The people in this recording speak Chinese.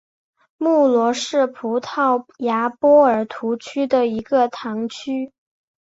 穆罗是葡萄牙波尔图区的一个堂区。